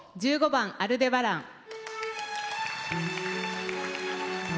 １５番「アルデバラン」。